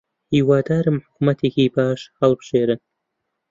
هیوادارم حکوومەتێکی باش هەڵبژێرن.